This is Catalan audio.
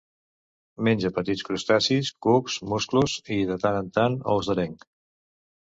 Menja petits crustacis, cucs, musclos i, de tant en tant, ous d'areng.